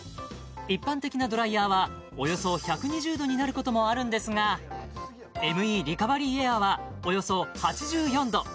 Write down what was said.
一般的なドライヤーはおよそ１２０℃になることもあるんですがＭＥリカバリーエアーはおよそ８４℃